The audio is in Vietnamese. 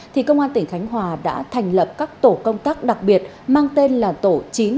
thì công an tỉnh khánh hòa đã thành lập các tổ công tác đặc biệt mang tên là tổ chín trăm bảy mươi chín